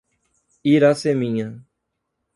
Iraceminha